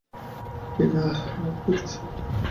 এঁরা আমার দুটি শ্যালী।